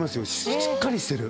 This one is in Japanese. しっかりしてる。